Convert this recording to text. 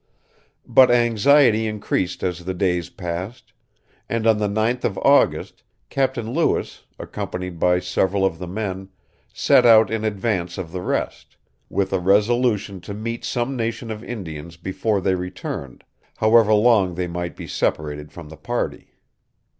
But anxiety increased as the days passed, and on the 9th of August Captain Lewis, accompanied by several of the men, set out in advance of the rest, "with a resolution to meet some nation of Indians before they returned, however long they might be separated from the party."